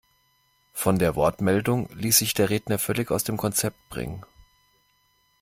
Von der Wortmeldung ließ sich der Redner völlig aus dem Konzept bringen.